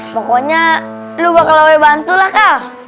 pokoknya lo bakal oe bantulah kal